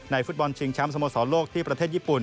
ฟุตบอลชิงแชมป์สโมสรโลกที่ประเทศญี่ปุ่น